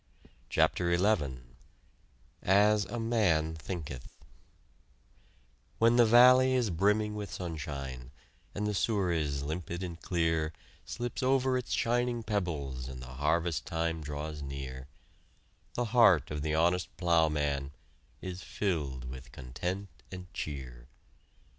CHAPTER XI AS A MAN THINKETH When the valley is brimming with sunshine, And the Souris, limpid and clear, Slips over its shining pebbles And the harvest time draws near, The heart of the honest plowman Is filled with content and cheer!